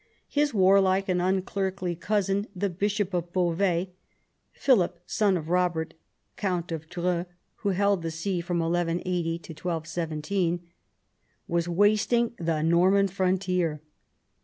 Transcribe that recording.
His warlike and unclerkly cousin, the bishop of Beauvais (Philip, son of Eobert, count of Dreux, who held the see from 1180 to 1217), was wasting the Norman frontier.